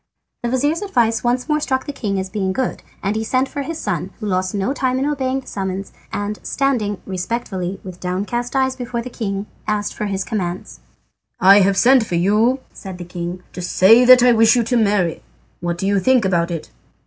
The vizir's advice once more struck the king as being good, and he sent for his son, who lost no time in obeying the summons, and standing respectfully with downcast eyes before the king asked for his commands. "I have sent for you," said the king, "to say that I wish you to marry. What do you think about it?"